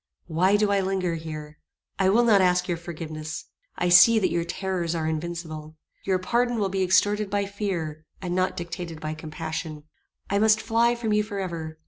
"Why do I linger here? I will not ask your forgiveness. I see that your terrors are invincible. Your pardon will be extorted by fear, and not dictated by compassion. I must fly from you forever.